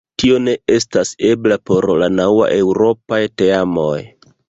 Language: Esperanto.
Tio ne estas ebla por la naŭ eŭropaj teamoj.